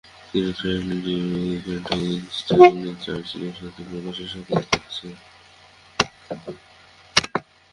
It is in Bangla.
তিনি ফ্রাঙ্কলিন ডি. রুজভেল্ট ও উইনস্টন চার্চিলের সাথে প্রকাশ্য সাক্ষাত করেছেন।